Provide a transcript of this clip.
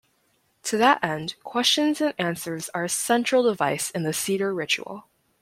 To that end, questions and answers are a central device in the Seder ritual.